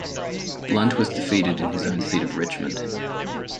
Blunt was defeated in his own seat of Richmond.